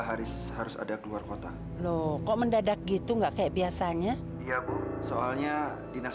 haris harus adak luar kota loh kok mendadak gitu nggak kayak biasanya iya bu soalnya dinas